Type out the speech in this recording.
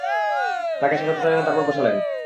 তাঁকে স্বাগত জানালেন তারপর বসালেন।